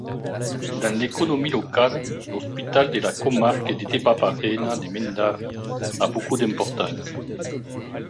Dans l'économie locale, l'Hospital de la comarque de Debabarrena de Mendaro a beaucoup d'importance.